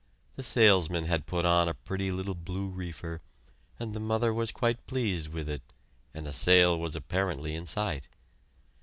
The salesman had put on a pretty little blue reefer, and the mother was quite pleased with it, and a sale was apparently in sight.